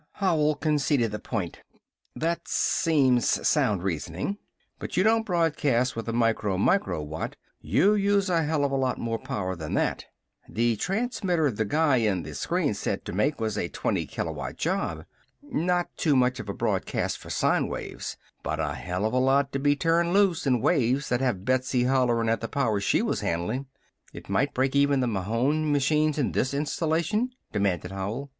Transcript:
Howell conceded the point. "That seems sound reasoning." "But you don't broadcast with a micro micro watt. You use a hell of a lot more power than that! The transmitter the guy in the screen said to make was a twenty kilowatt job. Not too much for a broadcast of sine waves, but a hell of a lot to be turned loose, in waves that have Betsy hollerin' at the power she was handlin'!" "It might break even the Mahon machines in this installation?" demanded Howell.